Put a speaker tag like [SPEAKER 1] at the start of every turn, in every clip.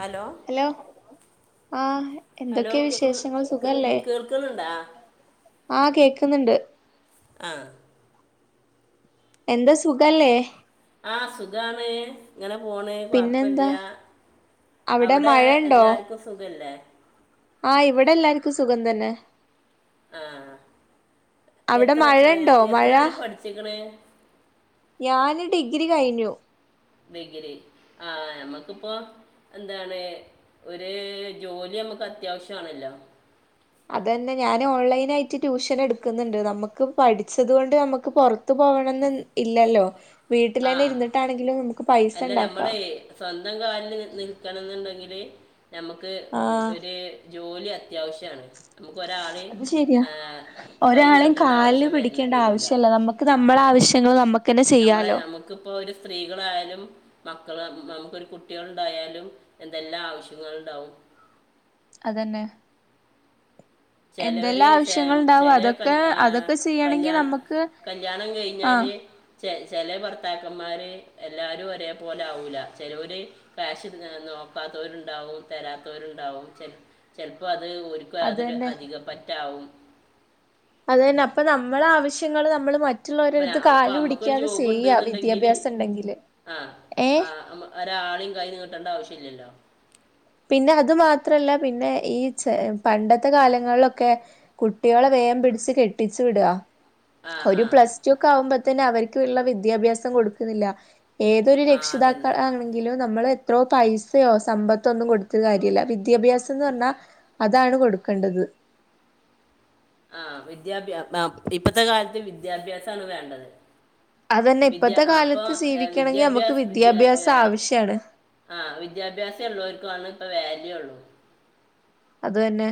[SPEAKER 1] hello
[SPEAKER 2] hello ആഹ്
[SPEAKER 1] hello
[SPEAKER 2] എന്തൊക്കെയ
[SPEAKER 1] കേൾക്കുന്നു
[SPEAKER 2] വിശേഷങ്ങൾ
[SPEAKER 1] കേ-
[SPEAKER 2] സുഖല്ലേ
[SPEAKER 1] കേൾക്കുന്നുണ്ടാ
[SPEAKER 2] ആഹ് കേൾക്കുന്നുണ്ട്
[SPEAKER 1] ആഹ്
[SPEAKER 2] എന്താ സുഖല്ലേ
[SPEAKER 1] ആഹ് സുഖാണ് ഇങ്ങനെ പോണ്
[SPEAKER 2] പിന്നെന്താ
[SPEAKER 1] കുഴപ്പില്ല അവിടെ എല്ലാരുക്കും സുഖല്ലേ
[SPEAKER 2] ആഹ് ഇവിടെ എല്ലാർക്കും സുഖം തന്നെ
[SPEAKER 1] ആഹ്
[SPEAKER 2] അവിടെ
[SPEAKER 1] എത്ര ഏഹ്
[SPEAKER 2] മഴണ്ടോ
[SPEAKER 1] എത്ര
[SPEAKER 2] മഴ
[SPEAKER 1] വരെ പഠിച്ചേക്കണ്
[SPEAKER 2] ഞാന് ഡിഗ്രി കഴിഞ്ഞു
[SPEAKER 1] ഡിഗ്രി ആഹ് ഞമ്മക്കിപ്പോ എന്താണ് ഒരു ജോലി നമുക്ക് അത്യാവശ്യമാണല്ലോ
[SPEAKER 2] അതന്നെ ഞാൻ ഓൺലൈന് ആയിട്ട് ട്യൂഷൻ എടുക്കുന്നുണ്ട് നമുക്ക് പഠിച്ചത് കൊണ്ട് നമുക്ക് പുറത്ത് പോകണംന്ന് ഇല്ലല്ലോ വീട്ടില്
[SPEAKER 1] ആ
[SPEAKER 2] തന്നെ ഇരുന്നിട്ടാണെങ്കിലും നമുക്ക് പൈസ
[SPEAKER 1] അല്ല നമ്മൾ
[SPEAKER 2] ഉണ്ടാക്കാം
[SPEAKER 1] സ്വന്തം കാലിൽ നിൽക്കണം എന്നുണ്ടെങ്കിൽ നമുക്ക്
[SPEAKER 2] ആഹ്
[SPEAKER 1] ഒര് ജോലി അത്യാവശ്യമാണ് നമുക്ക് ഒരാളെയും
[SPEAKER 2] അത് ശരിയാ
[SPEAKER 1] കൈ
[SPEAKER 2] ഒരാളെയും
[SPEAKER 1] നീട്ടേണ്ട
[SPEAKER 2] കാലില്
[SPEAKER 1] ആവശ്യം വരണ
[SPEAKER 2] പിടിക്കേണ്ട
[SPEAKER 1] വരൂല
[SPEAKER 2] ആവശ്യല്ല നമുക്ക് നമ്മളെ ആവശ്യങ്ങൾ നമുക്ക് തന്നെ ചെയ്യാലോ
[SPEAKER 1] ഇക്ക് ഇപ്പൊ ഒരു സ്ത്രീകളായാലും മക്കള് നമുക്കൊരു കുട്ടികൾ ഉണ്ടായാലും എന്തെല്ലാം ആവശ്യങ്ങളുണ്ടാവും
[SPEAKER 2] അതന്നെ
[SPEAKER 1] ചിലവര്
[SPEAKER 2] എന്തെല്ലാം
[SPEAKER 1] ചെ
[SPEAKER 2] ആവശ്യങ്ങൾണ്ടാവും
[SPEAKER 1] ചെല
[SPEAKER 2] അതൊക്കെ അതൊക്കെ ചെയ്യണെങ്കി
[SPEAKER 1] കല്യാണം
[SPEAKER 2] നമ്മക്ക്
[SPEAKER 1] കല്യാണം
[SPEAKER 2] ആഹ്
[SPEAKER 1] കഴിഞ്ഞാല് ചെ ചെല ഭർത്താക്കന്മാര് എല്ലാവരും ഒരേപോലെ ആവൂല്ല ചിലോര് കാശ് ഇടുന്നെ നോക്കാത്തവരുണ്ടാവും തരാത്തവരുണ്ടാവും ചിലപ്പോ അത് ഒരു അപ്പൊ അതൊരു
[SPEAKER 2] അതന്നെ
[SPEAKER 1] അധിക പറ്റാവും
[SPEAKER 2] അതന്നെ അപ്പൊ നമ്മളെ ആവശ്യങ്ങള് നമ്മള്
[SPEAKER 1] അപ്പൊ
[SPEAKER 2] മറ്റുള്ളവരോടത്ത്
[SPEAKER 1] ഞാ- അപ്പൊ
[SPEAKER 2] കാാല്
[SPEAKER 1] അമ്മക്കൊരു
[SPEAKER 2] പിടിക്കാതെ
[SPEAKER 1] ജോബ് ഉണ്ട്
[SPEAKER 2] ചെയ്യാ
[SPEAKER 1] എന്നുണ്ടെങ്കിൽ
[SPEAKER 2] വിദ്യാഭ്യാസം ഉണ്ടെങ്കില് ഏഹ്
[SPEAKER 1] ഒരാളും കയ്യി നീട്ടേണ്ട ആവശ്യം ഇല്ലല്ലോ
[SPEAKER 2] പിന്നെ അതു മാത്രല്ല പിന്നെ ഈ ചെ പണ്ടത്തെ കാലങ്ങളിലൊക്കെ കുട്ടികളെ വേഗം പിടിച്ച് കെട്ടിച്ചു വിടുക
[SPEAKER 1] ആ ആ
[SPEAKER 2] ഒരു പ്ലസ് ടു ഒക്കെ ആകുമ്പോ തന്നെ അവർക്കുള്ള വിദ്യാഭ്യാസം കൊടുക്കുന്നില്ല ഏതൊരു
[SPEAKER 1] ആ
[SPEAKER 2] രക്ഷിതാക്കൾ
[SPEAKER 1] അതന്നെ
[SPEAKER 2] ആണെങ്കിലും നമ്മൾ എത്രോ പൈസയോ സമ്പത്ത് അതൊന്നും കൊടുത്ത് കാര്യമില്ല വിദ്യാഭ്യാസം എന്ന് പറഞ്ഞാൽ അതാണ് കൊടുക്കേണ്ടത്
[SPEAKER 1] ആഹ് വിദ്യാഭ്യാആഹ് ടട്ടഇപ്പത്തെ കാലത്ത് വിദ്യാഭ്യാസമാണ് വേണ്ടത്
[SPEAKER 2] അതന്നെ
[SPEAKER 1] വിദ്യാ
[SPEAKER 2] ഇപ്പത്തെ
[SPEAKER 1] അപ്പൊ
[SPEAKER 2] കാലത്ത് ജീവിക്കണെങ്കി നമുക്ക്
[SPEAKER 1] വിദ്യാഭ്യാസ വിദ്യ
[SPEAKER 2] വിദ്യാഭ്യാസം
[SPEAKER 1] ഏ
[SPEAKER 2] ആവശ്യാണ്
[SPEAKER 1] ആഹ് വിദ്യാഭ്യാസം ഉള്ളവർക്കാണ് ഇപ്പൊ വാല്യൂ ഉള്ളൂ
[SPEAKER 2] അത് തന്നെ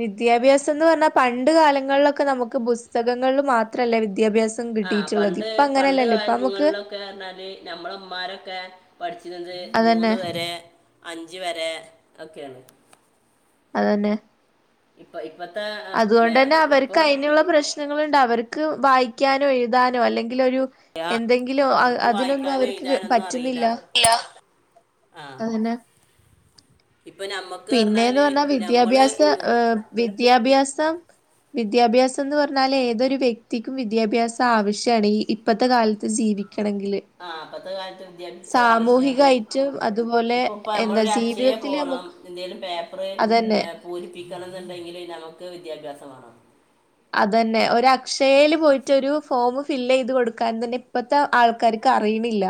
[SPEAKER 2] വിദ്യാഭ്യാസം എന്ന് പറഞ്ഞാ പണ്ട് കാലങ്ങളിലൊക്കെ നമുക്ക് പുസ്തകങ്ങളിൽ മാത്രല്ല വിദ്യാഭ്യാസം
[SPEAKER 1] ആഹ്
[SPEAKER 2] കിട്ടിയിട്ടുള്ളത്
[SPEAKER 1] പണ്ട്
[SPEAKER 2] ഇപ്പ
[SPEAKER 1] പണ്ട്
[SPEAKER 2] അങ്ങനെയല്ലല്ലോ ഇപ്പ നമുക്ക്
[SPEAKER 1] കാലങ്ങളിലൊക്കെ പറഞ്ഞാല് നമ്മളമ്മമാരൊക്കെ പഠിച്ചിരുന്നത്
[SPEAKER 2] അതന്നെ
[SPEAKER 1] മൂന്ന് വരെ അഞ്ച് വരെ ഒക്കെയാണ്
[SPEAKER 2] അതന്നെ
[SPEAKER 1] ഇപ്പൊ ഇപ്പത്തെ മേ
[SPEAKER 2] അതുകൊണ്ടന്നെ
[SPEAKER 1] ഇപ്പൊ
[SPEAKER 2] അവർക്ക് അയിനുള്ള പ്രശ്നങ്ങളുണ്ട് അവർക്ക് വായിക്കാനോ എഴുതാനോ അല്ലെങ്കിൽ ഒരു എന്തെങ്കിലോ
[SPEAKER 1] അവർക്ക്
[SPEAKER 2] അതിനൊന്നും
[SPEAKER 1] വായിക്കാനും
[SPEAKER 2] അവർക്ക്
[SPEAKER 1] എഴുതാനൊന്നും അറിയില്ല
[SPEAKER 2] പറ്റുന്നില്ല
[SPEAKER 1] ആ
[SPEAKER 2] അതന്നെ
[SPEAKER 1] ഇപ്പൊ ഞമ്മക്ക്
[SPEAKER 2] പിന്നേന്ന് പറഞ്ഞാ വിദ്യാഭ്യാസ ഏഹ് വിദ്യാഭ്യാസം വിദ്യാഭ്യാസം എന്ന് പറഞ്ഞാൽ ഏതൊരു വ്യക്തിക്കും വിദ്യാഭ്യാസം ആവശ്യാണ് ഈ ഇപ്പത്തെ കാലത്ത് ജീവി ക്കണങ്കില്
[SPEAKER 1] ആഹ് ഇപ്പത്തെ കാലത്ത് വിദ്യാഭ്യാസം ആവശ്യാണ്
[SPEAKER 2] സാമൂഹികായിട്ടും അതുപോലെ
[SPEAKER 1] ഇപ്പൊ ഇപ്പ
[SPEAKER 2] എന്താ
[SPEAKER 1] നമ്മളൊര് അക്ഷയെ
[SPEAKER 2] ജീവിതത്തില്
[SPEAKER 1] പോണം
[SPEAKER 2] നമുക്ക്
[SPEAKER 1] എന്തേലും പേപ്പറ്
[SPEAKER 2] അതന്നെ
[SPEAKER 1] പൂരിപ്പിക്കണം എന്നുണ്ടെങ്കിൽ നമുക്ക് വിദ്യാഭ്യാസമേണം
[SPEAKER 2] അതന്നെ ഒര് അക്ഷയേൽ പോയിട്ട് ഒരു ഫോം ഫില്ല് ചെയ്ത് കൊടുക്കാൻ തന്നെ ഇപ്പ പ്പ ആൾക്കാർക്ക് അറിയണില്ല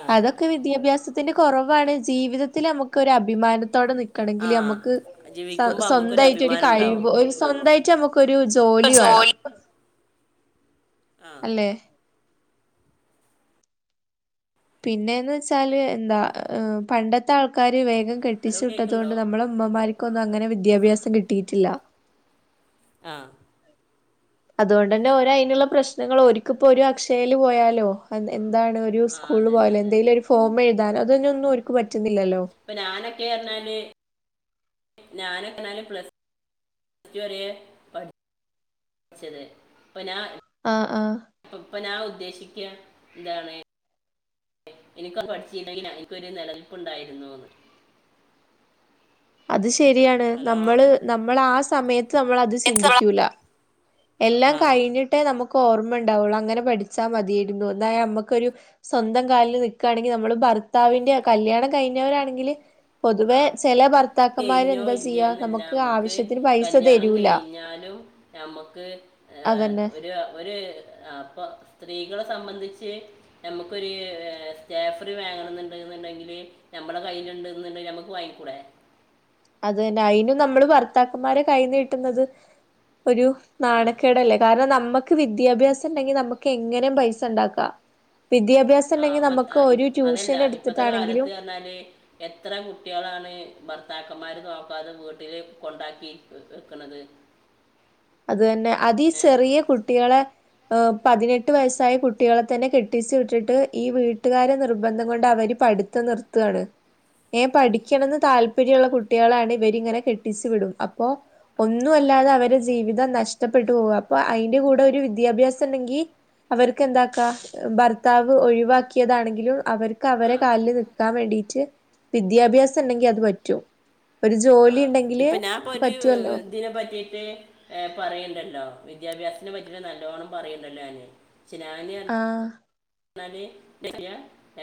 [SPEAKER 1] ആ
[SPEAKER 2] അതൊക്കെ വിദ്യാഭ്യാസത്തിന്റെ കുറവാണ് ജീവിതത്തിൽ നമുക്ക് ഒരു അഭിമാനത്തോടെ നി
[SPEAKER 1] ആ
[SPEAKER 2] ക്കണമെങ്കിൽ നമുക്ക്
[SPEAKER 1] ജീവിക്കുമ്പോൾ നമുക്കൊരു
[SPEAKER 2] സ്വന്തായിട്ട് ഒരു
[SPEAKER 1] അഭിമാനം ഉണ്ടാവും
[SPEAKER 2] കഴിവ് സ്വന്തായിട്ട് നമുക്ക് ക്കൊരു ജോലി വേണം
[SPEAKER 1] ആ
[SPEAKER 2] അല്ലേ പിന്നെന്ന് വെച്ചാല് എന്താ പണ്ടത്തെ ആൾക്കാര് വേഗം
[SPEAKER 1] ഹലോ
[SPEAKER 2] കെട്ടിച്ചു വിട്ടത്
[SPEAKER 1] കേൾക്കുന്നുണ്ടോ
[SPEAKER 2] കൊണ്ട് നമ്മള് അമ്മമാർക്കൊന്നും അങ്ങനെ വിദ്യാഭ്യാസം കിട്ടിയിട്ടില്ല
[SPEAKER 1] ആഹ്
[SPEAKER 2] അതുകൊണ്ടന്നെ ഓരോ അതിനുള്ള പ്രശ്നങ്ങൾ ഒരിക്കിപ്പോ ഒരു അക്ഷയായിൽ പോയാലോ എന്താണ് ഒരു
[SPEAKER 1] ആ
[SPEAKER 2] സ്കൂള്
[SPEAKER 1] അതന്നെ
[SPEAKER 2] പോയാലോ
[SPEAKER 1] അതന്നെ
[SPEAKER 2] എന്തെലും ഒരു ഫോം എഴുതാനോ അതിനൊന്നും ഒരുക്ക് പറ്റുന്നില്ലല്ലോ
[SPEAKER 1] ഇപ്പൊ ഞാനൊക്കെ പറഞ്ഞാല് ഞാനെക്കാല് പ്ലസ് പ്ലസ് ടു വരെ പഠി ച്ചത് ഇപ്പൊ ഞാ
[SPEAKER 2] ആഹ് ആഹ്
[SPEAKER 1] ഇപ്പ ഞാൻ ഉദ്ദേശിക്ക എന്താണ് എനിക്കൊന്ന് പഠിച്ചിരുന്നെങ്കിൽ എനിക്കൊരു നിലനിൽപ്പ് ഉണ്ടായിരുന്നുന്ന്
[SPEAKER 2] അത് ശെരിയാണ്
[SPEAKER 1] ഹലോ
[SPEAKER 2] നമ്മള് നമ്മൾ ആ സമയത്ത് നമ്മൾ അത് ചിന്തിക്കൂല എല്ലാം
[SPEAKER 1] ആ
[SPEAKER 2] കഴിഞ്ഞിട്ടേ നമുക്ക് ഓർമ്മ ഉണ്ടാവുള്ളൂ അങ്ങനെ പഠിച്ചാൽ മതിയരുന്നു എന്നായാല നമ്മുക്കൊരു സ്വന്തം കാലിൽ നിക്കുകയാണെങ്കിൽ നമ്മള് ഭർത്താവിന്റെ കല്യാണം കഴിഞ്ഞവരാണെങ്കില് പൊതുവെ ചെല ഭർത്താക്കന്മാര്
[SPEAKER 1] കഴിഞ്ഞോ
[SPEAKER 2] എന്താ ചെയ്യാ
[SPEAKER 1] ഇല്ലയെന്നല്ല
[SPEAKER 2] നമുക്ക് ആവശ്യത്തിന് പൈസ തരൂല
[SPEAKER 1] ഞമ്മക്ക് ഏഹ്
[SPEAKER 2] അതന്നെ
[SPEAKER 1] ഒരു ഒരു അപ്പൊ സ്ത്രീകളെ സംബന്ധിച്ച് ഞമുക്കൊരു സ്റ്റേഫ്രീ വാങ്ങണ എന്നണ്ട് എന്നുണ്ടെങ്കില് ഞമ്മള കയ്യിലുണ്ട് ന്ന് ണ്ടെങ്കില് നമുക്ക് വാങ്ങിക്കൂടേ
[SPEAKER 2] അത് തന്നെ അയിനും നമ്മള് ഭർത്താക്കന്മാരെ കൈ നീട്ടുന്നത് ഒരു
[SPEAKER 1] ആ
[SPEAKER 2] നാണക്കേടല്ലേ കാരണം നമുക്ക് വിദ്യാഭ്യാസം ഇണ്ടെങ്കിൽ നമുക്ക് എങ്ങനെയും പൈസ ഇണ്ടാക്കാം വിദ്യാഭ്യാസ
[SPEAKER 1] ആഹ് അപ്പ ഇ അതല്ല ഇപ്പത്തെ
[SPEAKER 2] എടുത്തിട്ടാണെങ്കിലും
[SPEAKER 1] കാലത്ത് പറഞ്ഞാല് എത്ര കുട്ടികളാണ് ഭർത്താക്കന്മാര് നോക്കാതെ വീട്ടില് കൊണ്ടാക്കി വെക്കണത്
[SPEAKER 2] അത് തന്നെ അതി ചെറിയ കുട്ടികളെ പതിനെട്ട് വയസ്സായ കുട്ടികളെ തന്നെ കെട്ടിച്ചു വിട്ടിട്ട് ഈ വീട്ടുകാരെ നിർബന്ധം കൊണ്ട് അവര് പഠി പ്പ് നിർത്തുകയാണ് ന്നെ പഠിക്കണെന്ന് താല്പര്യമുള്ള കുട്ടികളാണ് ഇവരിങ്ങനെ കെട്ടിച്ചു വിടും അപ്പ് പ്പോഒന്നും അല്ലാതെ അവര് ജീവിതം നഷ്ടപ്പെട്ടു പോവ അപ്പൊ അതിന്റെ കൂടെ ഒരു വിദ്യാഭ്യാസം ഇണ്ടെങ്കി അവർക്ക് എന്താക്കാ ഭർത്താവ് ഒഴിവാക്കിയതാണെങ്കിലും അവർ അവരെ
[SPEAKER 1] ആ
[SPEAKER 2] കാലിൽ നിൽക്കാൻ വേണ്ടീട്ട് വിദ്യാഭ്യാസം ഉണ്ടെങ്കിൽ അത്പറ്റും
[SPEAKER 1] ആഹ് ഇപ്പൊ ഞാൻപ്പൊ ഒരു ദിനം പറ്റിട്ട് ഏഹ് പറയണ്ടല്ലോ വിദ്യാഭ്യാസത്തിനന് പറ്റി നല്ലോണം പറയണ്ടല്ലോ ഞാൻ
[SPEAKER 2] ആഹ്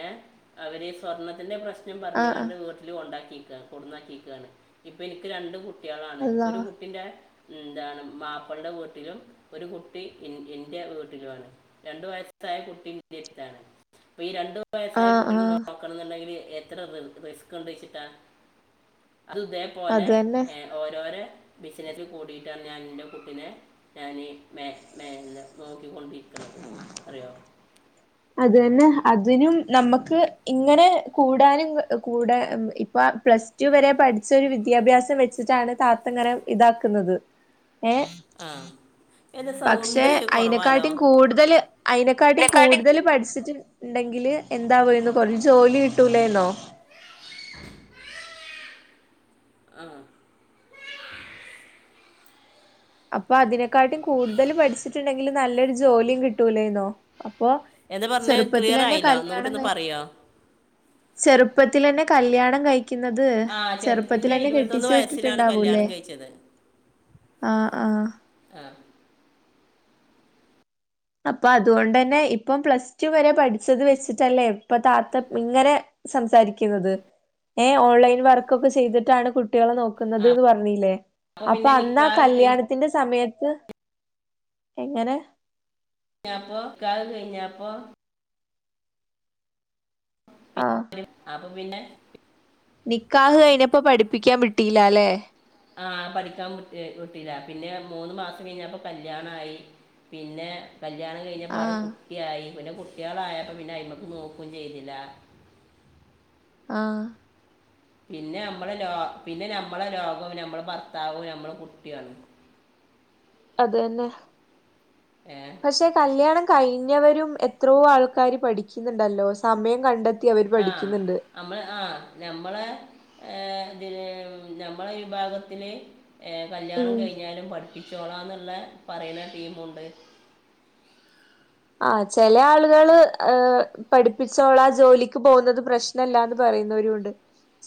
[SPEAKER 1] ഏഹ് അവര് സ്വർണ്ണത്തിന്റെ പ്രശ്നം പറഞ്ഞ
[SPEAKER 2] ആഹ് ആഹ്
[SPEAKER 1] കണ്ട് വീ കൊണ്ടാക്കിക്ക കൊടന്നാക്കിക്കയാണ് ഇപ്പൊ എനിക്ക് രണ്ട്കുട്ടികളാണ്
[SPEAKER 2] അള്ളാ
[SPEAKER 1] ഒരു കുട്ടിന്റെ എന്താണ് മാപ്പളുടെ വീട്ടിലും ഒരു കുട്ടി എൻ്റെ വീട്ടിലുമാണ് രണ്ടു വയസ്സായ കുട്ടിന്റെടുത്താണ് അപ്പൊ ഈ രണ്ടു വയസ്സായ
[SPEAKER 2] ആഹ്
[SPEAKER 1] കുട്ടിനെ
[SPEAKER 2] ആഹ്
[SPEAKER 1] നോ ക്കണംന്ന്ണ്ടെങ്കില് എത്ര റ് റിസ്ക്ക് ഇണ്ട്ച്ചിട്ടാ അത് ഇതേപോലെ
[SPEAKER 2] അത് തന്നെ
[SPEAKER 1] ഏഹ് ഓരോരെ ബിസ്നസിൽ കൂടിയിട്ടാണ് ഞാൻ ഇന്നെ കുട്ടിനെ ഞാന് മേ മേല്ല നോക്കിക്കൊണ്ടിര്ക്ക്ണത് അറിയോ
[SPEAKER 2] അത് തന്നെ അതിനും നമ്മക്ക് ഇങ്ങെനെ കൂടാനുംങ്ങ് കൂടാ ഇം ഇപ്പ പ്ലസ് റ്റു വെരെ പഠിച്ച ഒരു വിദ്യാഭ്യാസം വെച്ച്ട്ടാണ് താത്ത ഇങ്ങനെ ഇതാക്ക്ന്നത് ഏഹ്
[SPEAKER 1] ആഹ്
[SPEAKER 2] പക്ഷെ ഐനെക്കാട്ടിം കൂട്തല് ഐനെക്കാട്ടിം കൂട്തല് പഠിച്ച്ട്ട് ഇണ്ടെങ്കില് എന്താവേന്നു കൊർച്ച് ജോലി കിട്ടൂലേ എന്നോ
[SPEAKER 1] ആഹ്
[SPEAKER 2] അപ്പൊ അതിനെക്കാട്ടിം കൂട്തല് പഠിച്ച്ട്ട് ഇണ്ടെങ്കില് നല്ലെരു ജോലിം കിട്ടൂലേന്നോ അപ്പൊ
[SPEAKER 1] എന്താ പറഞ്ഞ് ക്ലിയർ
[SPEAKER 2] ചെറ്പ്പത്തിലെന്നെ
[SPEAKER 1] ആയില്ല ഒന്നും കൂടി
[SPEAKER 2] കല്യാണം
[SPEAKER 1] ഒന്ന്
[SPEAKER 2] കയിഞ്ഞ്
[SPEAKER 1] പറയോ
[SPEAKER 2] ചെറ്പ്പത്തിലെന്നെ കല്യാണം കയി
[SPEAKER 1] ആഹ് ചെറ്പ് ഇന്നെ ഇരുവത്തൊന്ന് വയസ്സിലാണ് കല്യാണം
[SPEAKER 2] വിട്ടിട്ടുണ്ടാവൂല്ലേ
[SPEAKER 1] കെയിച്ചത്
[SPEAKER 2] ആഹ് ആഹ്
[SPEAKER 1] ആഹ്
[SPEAKER 2] അപ്പൊ അതുകൊണ്ടെന്നെ ഇപ്പം പ്ലസ് ടു വെരെ പഠിച്ചത് വെച്ച്ട്ടല്ലേ ഇപ്പതാത്ത പ് ഇങ്ങനെ സംസാരിക്ക്ന്നത് ഏഹ് ഓൺലൈൻ വർക്കൊക്കെ ചെയ്ത്ട്ടാണ് കുട്ടികളെ നോ
[SPEAKER 1] ആ,
[SPEAKER 2] ക്ക്ന്നത് ന്ന് പർണീലേ അപ്പൊ
[SPEAKER 1] പിന്നെ
[SPEAKER 2] അന്നാ
[SPEAKER 1] നിക്കാഹ്
[SPEAKER 2] കല്യാണ ത്തിന്റെ സമയത്ത് എങ്ങനെ
[SPEAKER 1] ഞാപ്പാെ നിക്കാഹ് കെയിഞ്ഞാപ്പൊ പി-
[SPEAKER 2] ആഹ്
[SPEAKER 1] അപ്പൊ പിന്നെ
[SPEAKER 2] നിക്കാഹ് കെയിഞ്ഞപ്പൊ പഠിപ്പിക്കാൻ വിട്ടീലാല്ലേ
[SPEAKER 1] ആഹ് പഠിക്കാൻ വിട്ട് ഹ് വിട്ടീലാ പിന്നെ മൂന്ന് മാസം കെയിഞ്ഞാപ്പൊ കല്യാണായി പിന്നെ കല്യാണം കെയിഞ്ഞപാട്
[SPEAKER 2] ആഹ്
[SPEAKER 1] കുട്ടിആയി പിന്നെ കുട്ടിയേളായപ്പൊ പിന്നെ ഐമക്ക് നോക്കും ചെയ്തിലാ
[SPEAKER 2] ആഹ്
[SPEAKER 1] പിന്നെ അമ്മളെ ലോ പിന്നെ നമ്മളെ ലോകം നമ്മളെ ഭർത്താവും നമ്മളെ കുട്ടിയേളും
[SPEAKER 2] അത് യെന്നെ
[SPEAKER 1] ഏഹ്
[SPEAKER 2] പക്ഷെ കല്യാണം കയിഞ്ഞവരും എത്രോ ആൾക്കാര് പഠിക്ക്ന്ന് ഇണ്ടല്ലോ സമയം കണ്ടെ
[SPEAKER 1] ആഹ് അമ്മളെ ആഹ് നമ്മളെ ഹ് ഇതില് നമ്മളെ വിഭാഗത്തില് ഏഹ് കല്യാണം
[SPEAKER 2] ഉം
[SPEAKER 1] കെയിഞ്ഞാലും പഠിപ്പിച്ചോളാംന്ന്ള്ളെ പറയ്ണെ ടീമുണ്ട്
[SPEAKER 2] ആഹ് ചെലെ ആള്കള് ഹ് പഠിപ്പിച്ചോളാ ജോലിക്ക് പോവുന്നത് പ്രശ്നല്ലാന്ന് പറയുന്നവരും ഉണ്ട്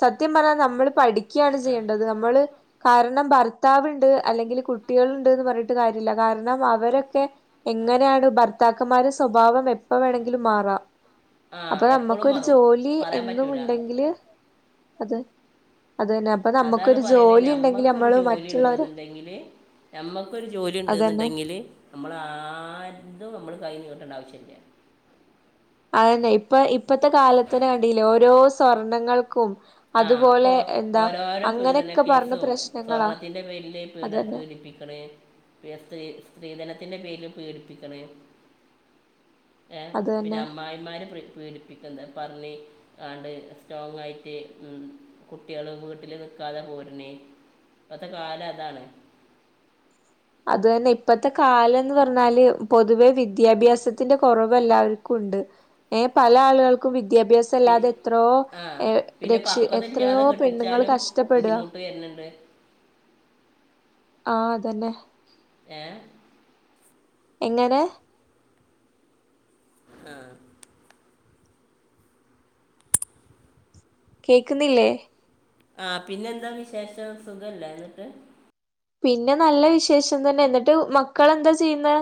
[SPEAKER 2] സത്യം പറഞ്ഞാ നമ്മള് പഠിക്ക്യാണ്
[SPEAKER 1] ആ
[SPEAKER 2] ചെയ്യേണ്ടത് നമ്മള് കാരണം ഭർത്താവ്ണ്ട് അല്ലെങ്കില് കുട്ടികള്ണ്ട്ന്ന് പർണ് ട്ട് കാര്യല്ല കാരണം അവരൊക്കെ എങ്ങനെയാണ് ഭർത്താക്കന്മാരെ സ്വഭാവം എപ്പ വേണെങ്കിലും മാറാ
[SPEAKER 1] ആ
[SPEAKER 2] അപ്പൊ
[SPEAKER 1] എപ്പോഴും
[SPEAKER 2] നമ്മക്കൊരു
[SPEAKER 1] മാറും
[SPEAKER 2] ജോലി
[SPEAKER 1] പറയാൻ
[SPEAKER 2] എന്നും
[SPEAKER 1] പറ്റൂല
[SPEAKER 2] ഇണ്ടെങ്കില് അത് അത് തന്നെ അപ്പൊ
[SPEAKER 1] അതാണ്
[SPEAKER 2] നമ്മക്കൊരു
[SPEAKER 1] പറയണത്
[SPEAKER 2] ജോലി ഇണ്ടെങ്കില് അമ്മളും മറ്റുള്ളവരെ
[SPEAKER 1] ഞമ്മക്കൊരു ജോലി ഇണ്ട്ന്ന്
[SPEAKER 2] അതന്നെ
[SPEAKER 1] ഇണ്ടെങില് നമ്മള് ആര്തും നമ്മള് കൈ നീട്ടണ്ട ആവശ്യം ഇല്യ
[SPEAKER 2] അതെന്നെ ഇപ്പ ഇപ്പത്തെ കാലത്തിന് കണ്ടീലെ ഓരോ സ്വർണ്ണങ്ങൾക്കും
[SPEAKER 1] ആഹ് ഇപ്പൊ ഓരോരോ
[SPEAKER 2] പറഞ്ഞ
[SPEAKER 1] പീഡനകേസും
[SPEAKER 2] പ്രശ്നങ്ങളാ
[SPEAKER 1] സ്വർണത്തിന്റെ പേരില് പീഡ
[SPEAKER 2] അതന്നെ
[SPEAKER 1] പീഡിപ്പി ക്ക്ണ് പിന്നെ സ്ത്രീ സ്ത്രീധനത്തിന്റെ പേരിലും പീഡിപ്പിക്ക്ണ് ഏഹ്
[SPEAKER 2] അത്
[SPEAKER 1] പിന്നെ
[SPEAKER 2] തന്നെ
[SPEAKER 1] അമ്മായിമാര് പ്രി പീഡിപ്പിക്ക്ന്നത് പർണി ആണ്ട് സ്റ്റോങായിറ്റ് മറ്റ് ഉം കുട്ട്യാള് വീട്ടില് നിക്കാതെ പോര്ന് ഇപ്പത്തെ കാല അതാണ്
[SPEAKER 2] അത് തന്നെ ഇപ്പത്തെ കാലം ന്ന് പറഞ്ഞാല് പൊതുവേ വിദ്യാഭ്യാസത്തിന്റെ കൊറവ് എല്ലാവർക്കുണ്ട് ഏഹ് പല ആളുകൾക്കും വിദ്യാഭ്യാസ
[SPEAKER 1] പി
[SPEAKER 2] വിദ്യാഭ്യാസല്ലാതെ എത്രയോ
[SPEAKER 1] ആ
[SPEAKER 2] ഏഹ്
[SPEAKER 1] പിന്നെ
[SPEAKER 2] രക്ഷി
[SPEAKER 1] പക്വത
[SPEAKER 2] എത്രയോ പെണ്ണുങ്ങള് കഷ്ടപ്പെടാ
[SPEAKER 1] വെര്ന്ന്ണ്ട്
[SPEAKER 2] ആഹ് അതെന്നെ
[SPEAKER 1] ഏഹ്
[SPEAKER 2] എങ്ങനെ
[SPEAKER 1] ആഹ്
[SPEAKER 2] കേക്ക്ന്നില്ലേ
[SPEAKER 1] ആഹ് പിന്നെന്താ വിശേഷം സുഖല്ലേ ന്ന്ട്ട്
[SPEAKER 2] പിന്നെ നല്ല വിശേഷം തന്നെ ന്നിട്ട് മക്കളെന്താ ചെയ്യുന്നേ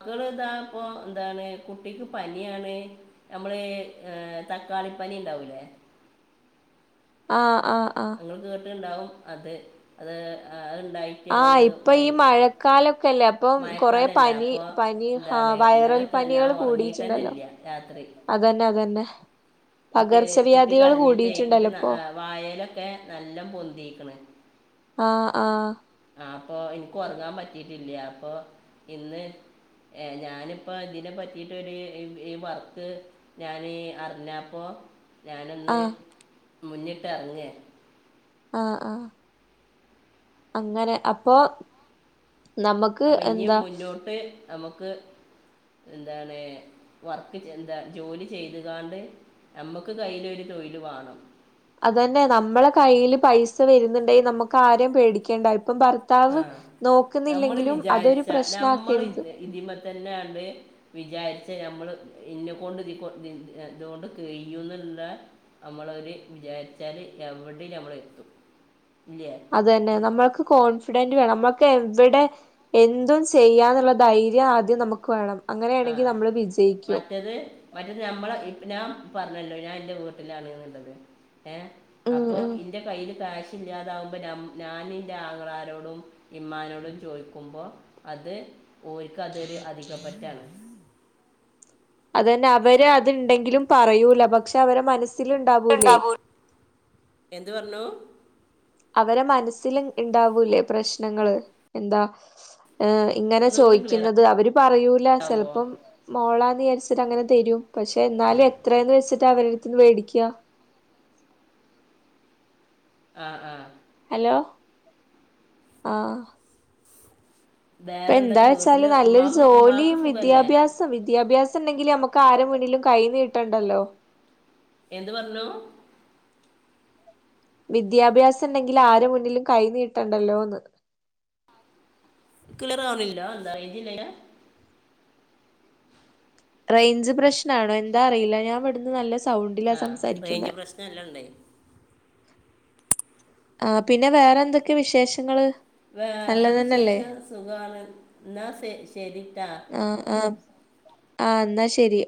[SPEAKER 1] മക്കള് താ ഇപ്പൊ ന്താണ് കുട്ടിക്ക് പനിയാണ് നമ്മള് ഏഹ് തക്കാളിപ്പനി ണ്ടാവൂലേ
[SPEAKER 2] ആഹ് ആഹ് ആഹ്
[SPEAKER 1] കുട്ട്യോൾക്ക് ങ്ങട്ട്ണ്ടാവും അത് അത് അഹ്ണ്ടായി കുട്ട്യോൾ
[SPEAKER 2] ആഹ് ഇപ്പൊ ഈ
[SPEAKER 1] വയ്
[SPEAKER 2] മഴക്കാലൊക്കെല്ലേ അപ്പം കൊറെ
[SPEAKER 1] മഴക്കാലല്ലെ
[SPEAKER 2] പനി
[SPEAKER 1] അപ്പൊ
[SPEAKER 2] പനി ആ
[SPEAKER 1] എന്താണ് ഇന്നലെ
[SPEAKER 2] വൈറൽ
[SPEAKER 1] ഒക്കെ ഞാൻ ഉറങ്ങീട്ടെന്നെ ഇല്ല്യാ രാത്രി
[SPEAKER 2] അതെന്നെ അതെന്നെ
[SPEAKER 1] കുട്ടി
[SPEAKER 2] പകർച്ചവ്യാധികള് കൂടീട്ട്ണ്ടല്ലോ ഇപ്പോ
[SPEAKER 1] വായേലൊക്കെ നല്ലേം പൊന്തിക്ക്ണ്
[SPEAKER 2] ആഹ് ആഹ്
[SPEAKER 1] ആഹ് അപ്പൊ ഇൻക്ക് ഉറങ്ങാൻ പറ്റീട്ടില്ല അപ്പൊ ഇന്ന് ഏഹ് ഞാനിപ്പൊ ഇതിനെ പറ്റിട്ടൊരു ഈ ഈ വർക്ക് ഞാന് അർഞ്ഞപ്പോ ഞാനൊന്ന്
[SPEAKER 2] ആഹ്
[SPEAKER 1] മുന്നിട്ടെറ്ങ്ങേ
[SPEAKER 2] ആഹ് ആഹ് അങ്ങനെ അപ്പൊ നമുക്ക്
[SPEAKER 1] അപ്പൊ ഇഞ്ഞും
[SPEAKER 2] എന്താ
[SPEAKER 1] മുന്നോട്ട് അമ്മക്ക് എന്താണ് വർക്ക് ചെന്ത ജോലി ചെയ്ത്കാണ്ട് നമ്മക്ക് കയ്യിലൊരു തൊഴില് വാണം
[SPEAKER 2] അതെന്നെ നമ്മളെ കയ്യില് പൈസ വരുന്നുണ്ടെങ്കി നമ്മക്ക് ആരേം പേടിക്കേണ്ടാ ഇപ്പം ഭർ
[SPEAKER 1] ആ
[SPEAKER 2] ഭർത്താവ് നോക്കുന്നില്ലെങ്കിലും അതൊരു പ്രശ്നാക്കരുത്
[SPEAKER 1] ഇതിമ്മേ തെന്നാന്ന് വിചാരിച്ചാ നമ്മള് ഇന്നെ കൊണ്ട് ഇതികൊ ഇതൊണ്ടൊക്കെ കെയ്യുംന്നുള്ള നമ്മളൊര് വിചാരിച്ചാല് എവിടിം നമ്മളെത്തും ഇല്ലേ
[SPEAKER 2] അത് തന്നെ നമ്മൾക്ക് കോൺഫിഡന്റ് വേണം നമ്മക്ക് എവിടെം എന്തും ചെയ്യാന്നുള്ള ധൈര്യം ആദ്യം നമുക്ക് വേണം അങ്ങനെയാണെങ്കി നമ്മള് വിജയിക്കും
[SPEAKER 1] ഏത് മറ്റേത് ഞമ്മളെ ഇപ്പ ഞാന് പറ്ഞ്ഞല്ലോ ഞാന് ഇന്റെ വീട്ടിലാണ് ന്ന്ള്ളത് ഏഹ്
[SPEAKER 2] ഉം
[SPEAKER 1] അപ്പോ
[SPEAKER 2] ഉം
[SPEAKER 1] ഇന്റെ കയ്യില് കാശ് കാശ് ഇല്ലാതാവുമ്പോ ഞാന് ന്റെ ആങ്ങളാരോടും ഇമ്മാനോടും ചോയ്ക്കുമ്പോ അത് ഓൽക്കതൊരു അധിക പറ്റാണ്
[SPEAKER 2] അതെന്നെ അവര് അത്ണ്ടെങ്കിലും പറയൂല പക്ഷെ അവരെ മനസില് ഇണ്ട്
[SPEAKER 1] യൗടെ സാബൂൻ എന്ത് പറ്ഞ്ഞു
[SPEAKER 2] അവരെ മനസ്സില് ഇണ്ടാവൂലേ പ്രശ്നങ്ങള് എന്താ ഏഹ് ഇങ്ങനെ
[SPEAKER 1] ഒന്നുകൂടി ക്ലിയർ
[SPEAKER 2] ചോയ്ക്കുന്നത് അവര് പറയൂല
[SPEAKER 1] ആവോ
[SPEAKER 2] ചെലപ്പം മോളാന്ന് ചാരിച്ചിട്ട് അങ്ങനെ തെരും പക്ഷെ ന്നാലും എത്രേന്ന് വെച്ചിട്ടാ അവരെടുത്തുന്ന് മേടിക്ക്യ
[SPEAKER 1] ആഹ് ആഹ്
[SPEAKER 2] ഹലോ ആഹ് ഇപ്പൊ
[SPEAKER 1] വേറെ
[SPEAKER 2] എന്താ
[SPEAKER 1] എന്തൊക്കെ
[SPEAKER 2] വെച്ചാല്
[SPEAKER 1] വീട്ടില് ഉമ്മാക്ക് ഉമ്മാക്ക് സുഖല്ലേ
[SPEAKER 2] സം വിദ്യാഭ്യാസം ഉണ്ടെങ്കിൽ നമ്മുക്ക് ആരു മുന്നിലും കൈയി നീട്ടടലോ
[SPEAKER 1] എന്ത് പറഞ്ഞു
[SPEAKER 2] വിദ്യാഭ്യാസം ഉണ്ടെങ്കിൽ ആരു മുന്നിലും കൈ നീട്ടണ്ടല്ലോന്ന്
[SPEAKER 1] ക്ളിയർവന്നില്ല എന്താ റേഞ്ച്‌ല്ലേയന്
[SPEAKER 2] റേഞ്ച് പ്രശ്നാണോ എന്താ അറിയില്ല ഞാൻ ഇവിടുന്ന് നല്ല സൗണ്ടിലാ സംസാരിക്കുന്നെ
[SPEAKER 1] നല്ലോണ്ടേ
[SPEAKER 2] ആഹ് പിന്നെ വേറെ എന്തൊക്കെ വിശേഷങ്ങള്
[SPEAKER 1] വേറെ
[SPEAKER 2] നല്ലതന്നല്ലേ
[SPEAKER 1] വിശേഷം സുഖണ് എന്നാസേ ശരിട്ടാ
[SPEAKER 2] ആഹ് ആഹ് ആഹ് എന്നാ ശരി